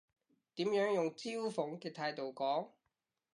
點樣用嘲諷嘅態度講？